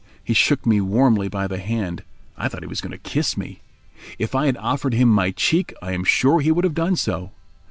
He shook me warmly by the hand—I thought he was going to kiss me. If I had offered him my cheek I am sure he would have done so.